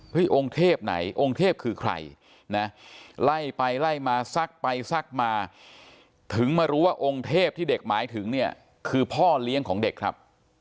องค์เทพไหนองค์เทพคือใครนะไล่ไปไล่มาซักไปซักมาถึงมารู้ว่าองค์เทพที่เด็กหมายถึงเนี่ยคือพ่อเลี้ยงของเด็กครับ